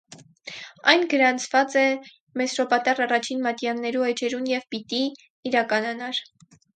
Այն գրանցուած էր մեսրոպատառ առաջին մատեաններու էջերուն եւ պիտի իրականանար։